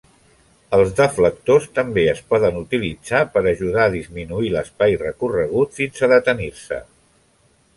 Els deflectors també es poden utilitzar per ajudar a disminuir l'espai recorregut fins a detenir-se.